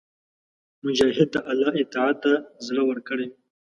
مجاهد د الله اطاعت ته زړه ورکړی وي.